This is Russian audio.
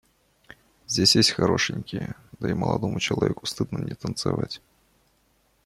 Здесь есть хорошенькие, да и молодому человеку стыдно не танцевать.